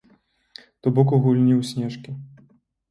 То бок у гульню ў снежкі.